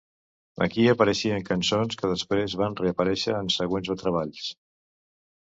Aquí apareixien cançons que després van reaparèixer en següents treballs.